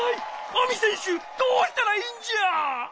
ＡＭＩせんしゅどうしたらいいんじゃ？